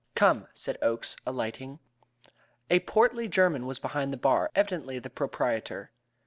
"Come," said Oakes, alighting. A portly German was behind the bar, evidently the proprietor.